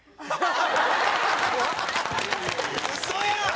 ウソやん！